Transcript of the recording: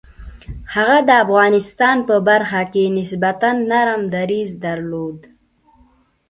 هغه د افغانستان په برخه کې نسبتاً نرم دریځ درلود.